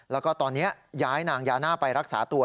แล้วก็ตอนนี้ย้ายนางยาน่าไปรักษาตัว